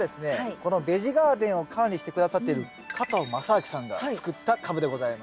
このベジガーデンを管理して下さっている加藤正明さんが作ったカブでございます。